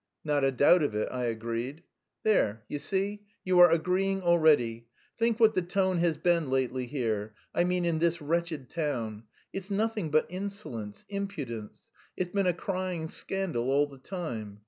"Not a doubt of it," I agreed. "There, you see, you are agreeing already. Think what the tone has been lately here I mean in this wretched town. It's nothing but insolence, impudence; it's been a crying scandal all the time.